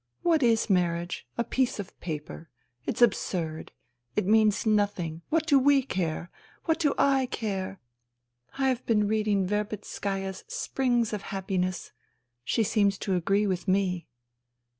What is marriage ? A piece of paper. It's absurd. It means nothing. What do we care ? What do I care ? I have been reading Verbitskaya's Springs of Happiness. She seems to agree with me."